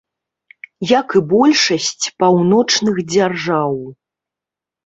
Як і большасць паўночных дзяржаў.